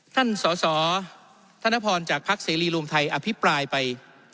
ท่านสสทนพจากพรศรีรวมไทยอภิปรายไป